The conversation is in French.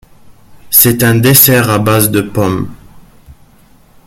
C'est un dessert à base de pommes.